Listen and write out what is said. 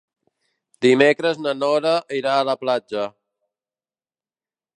Dimecres na Nora irà a la platja.